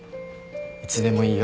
いつでもいいよ。